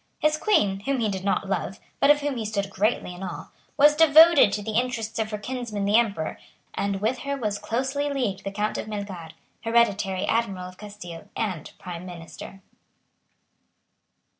His Queen, whom he did not love, but of whom he stood greatly in awe, was devoted to the interests of her kinsman the Emperor; and with her was closely leagued the Count of Melgar, Hereditary Admiral of Castile and Prime Minister.